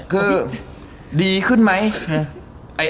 ก็คือดีขึ้นมั้ย